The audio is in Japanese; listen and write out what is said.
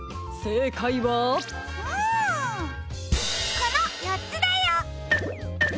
このよっつだよ！